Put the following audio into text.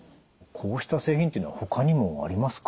こうした製品っていうのはほかにもありますか？